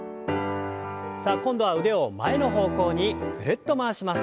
さあ今度は腕を前の方向にぐるっと回します。